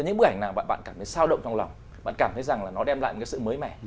những bức ảnh nào bạn cảm thấy sao động trong lòng bạn cảm thấy rằng nó đem lại sự mới mẻ